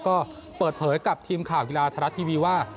ก็เปิดเผยกับทีมข่าวกีฬาไทยรัฐทีวีว่า